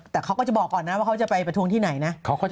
แต่เขาก็จะบอกก่อนนะว่าเขาจะไปประท้วงที่ไหนนะ